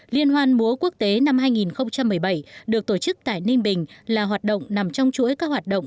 liên hoan múa quốc tế năm hai nghìn một mươi bảy được tổ chức tại ninh bình là hoạt động nằm trong chuỗi các hoạt động